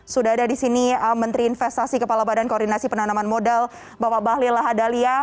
sudah ada di sini menteri investasi kepala badan koordinasi penanaman modal bapak bahlil lahadalia